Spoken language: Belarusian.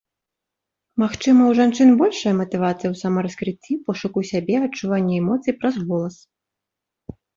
Магчыма, у жанчын большая матывацыя ў самараскрыцці, пошуку сябе, адчуванні эмоцый праз голас.